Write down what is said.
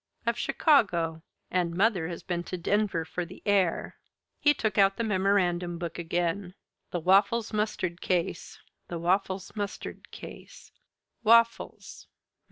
Of Chicago. And mother has been to Denver for the air." He took out the memorandum book again. "The Waffles Mustard case. The Waffles Mustard case. Waffles!